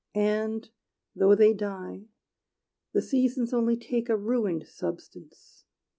And, though they die, the seasons only take A ruined substance.